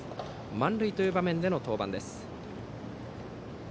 満塁という場面での登板です。